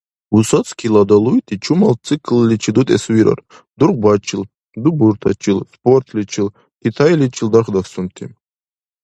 Высоцкийла далуйти чумал циклличи дутӀес вирар: дургъбачил, дубуртачил, спортличил, Китайличил дархдасунти.